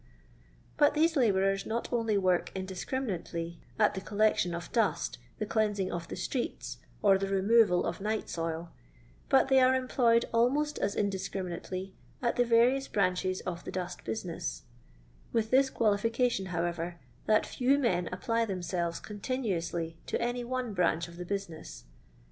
But these labonreis not only work indiscri minately at the collection of dust, the cleansing of the streets, or the removal of nightsoii, bu: they are employed almost as indiscruunately at the various branches of the dnst business ; with this qualification, however, that few men apply themselves continuously to any one branch of the business.